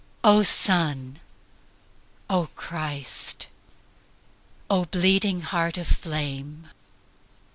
O Sun, O Christ, O bleeding Heart of flame!